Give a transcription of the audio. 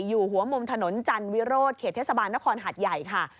อยู่หัวมุมถนนจันวิโรธเขตเทศบาลนครหัดใหญ่ค่ะ